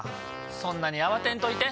そんなに慌てんといて。